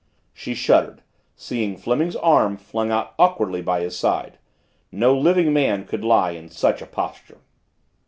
She shuddered, seeing Fleming's arm flung out awkwardly by his side. No living man could lie in such a posture.